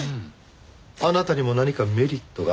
あなたにも何かメリットが？